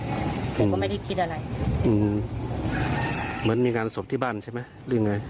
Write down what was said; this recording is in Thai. แต่ก็ไม่ได้คิดอะไรอืมเหมือนมีงานศพที่บ้านใช่ไหมหรือไง